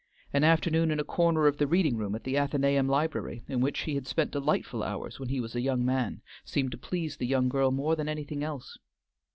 An afternoon in a corner of the reading room at the Athenæum library, in which he had spent delightful hours when he was a young man, seemed to please the young girl more than anything else.